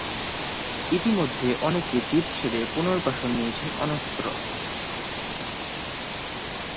ইতিমধ্যে অনেকে দ্বীপ ছেড়ে পুনর্বাসন নিয়েছেন অন্যত্র।